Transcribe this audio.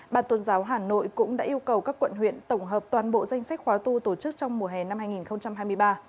bàn tôn giáo hà nội cũng đã yêu cầu các quận huyện tổng hợp toàn bộ danh sách khóa tu tổ chức trong mùa hè năm hai nghìn hai mươi ba